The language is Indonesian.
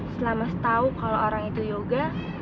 setelah mas tau kalau orang itu yoga